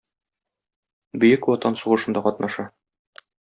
Бөек Ватан сугышында катнаша.